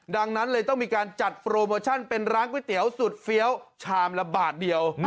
ดังนั้นเลยต้องมีการจัดโปรโมชั่นเป็นร้านก๋วยเตี๋ยวสุดเฟี้ยวชามละบาทเดียว